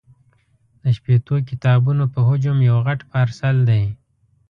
د شپېتو کتابونو په حجم یو غټ پارسل دی.